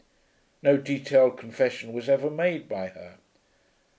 No detailed confession was ever made by her.